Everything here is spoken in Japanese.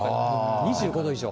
２５度以上。